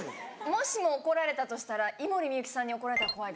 もしも怒られたとしたら井森美幸さんに怒られたら怖い。